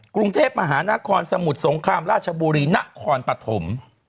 กรุงเทพมหานครสมุทรสงครามราชบุรีนครปฐม